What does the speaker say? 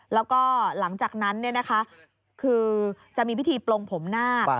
แล้วก็หลังจากนั้นเนี่ยนะคะคือจะมีพิธีปลงผมนาคตอน